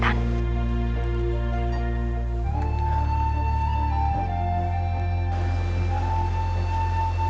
dan aku tidak mau